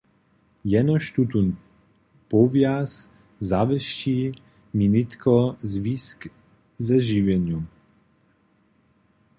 Jenož tutón powjaz zawěsći mi nětko zwisk ze žiwjenjom.